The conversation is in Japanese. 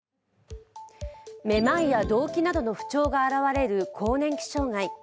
めまいやどうきなどの不調が現れる更年期障害。